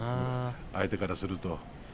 相手からすると。